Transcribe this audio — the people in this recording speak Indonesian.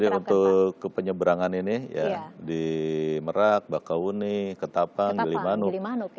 betul jadi untuk kepenyeberangan ini ya di merak bakauni ketapang gelimanuk